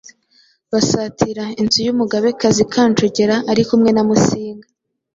basatira inzu y’umugabekazi Kanjogera ari kumwe na Musinga